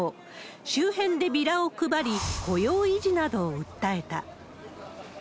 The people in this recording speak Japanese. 周辺でビラを配り、雇用維持などを訴えた。